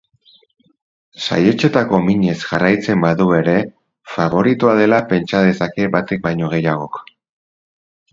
Saihetsetako minez jarraitzen badu ere, faboritoa dela pentsa dezake batek baino gehiagok.